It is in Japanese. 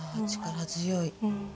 力強い。